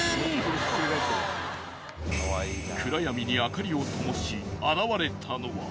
［暗闇に明かりを灯し現れたのは］